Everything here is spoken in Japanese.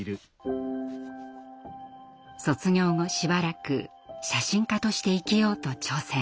卒業後しばらく写真家として生きようと挑戦。